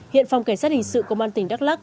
hiện phòng cảnh sát hình sự công an tỉnh đắk lắc